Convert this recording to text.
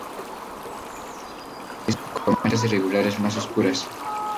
El color del dorso es gris-olivo, con manchas irregulares más oscuras.